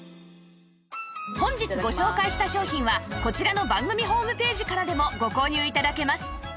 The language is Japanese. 本日ご紹介した商品はこちらの番組ホームページからでもご購入頂けます